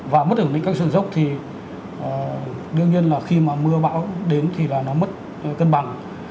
và mất ổn định các sườn dốc thì đương nhiên là khi mà mưa bão đến thì là nó mất cân bằng